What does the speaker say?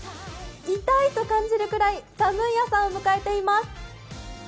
痛いと感じるくらい寒い朝を迎えています。